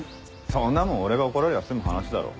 そんなもん俺が怒られりゃ済む話だろ。